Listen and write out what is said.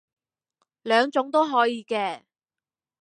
兩種都可以嘅